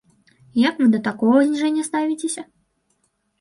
Як вы да такога зніжэння ставіцеся?